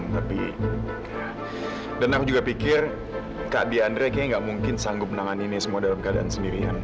tapi kayak dan aku juga pikir kak d'andrea kayaknya ga mungkin sanggup menangani ini semua dalam keadaan sendirian